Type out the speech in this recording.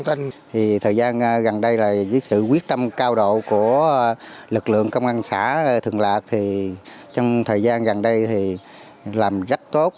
thì thời gian gần đây là với sự quyết tâm cao độ của lực lượng công an xã thường lạc thì trong thời gian gần đây thì làm rất tốt